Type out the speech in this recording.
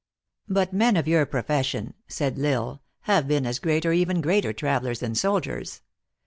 " But men of your profession," said L Isle, " have been as great or even greater travelers than soldiers.